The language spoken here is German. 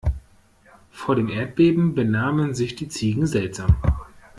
Vor dem Erdbeben benahmen sich die Ziegen seltsam.